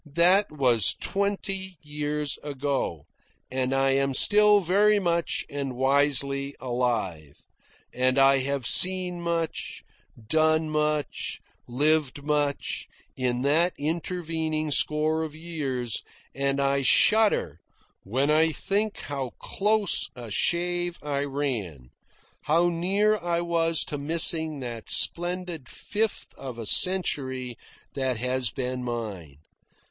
That was twenty years ago, and I am still very much and wisely alive; and I have seen much, done much, lived much, in that intervening score of years; and I shudder when I think how close a shave I ran, how near I was to missing that splendid fifth of a century that has been mine.